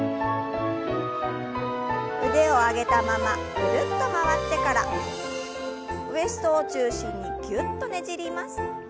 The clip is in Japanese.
腕を上げたままぐるっと回ってからウエストを中心にギュッとねじります。